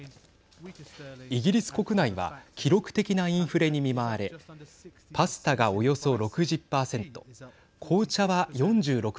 イギリス国内は記録的なインフレに見舞われパスタが、およそ６０％紅茶は４６％